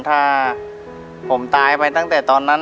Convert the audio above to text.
ถ้าผมตายไปตั้งแต่ตอนนั้น